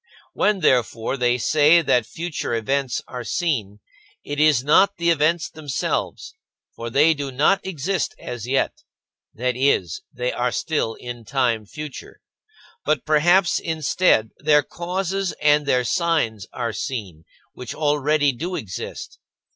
When, therefore, they say that future events are seen, it is not the events themselves, for they do not exist as yet (that is, they are still in time future), but perhaps, instead, their causes and their signs are seen, which already do exist.